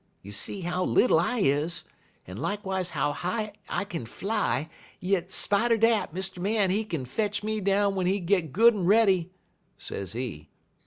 You see how little I is, en likewise how high I kin fly; yit, 'spite er dat, Mr. Man, he kin fetch me down w'en he git good en ready,' sezee.